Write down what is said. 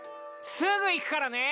すぐ行くからね！